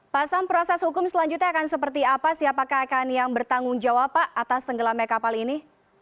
pak sam proses hukum selanjutnya akan seperti apa siapakah akan yang bertanggung jawab pak atas tenggelamnya kapal ini